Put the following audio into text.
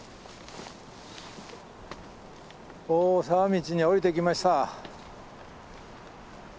おお沢道に下りてきました。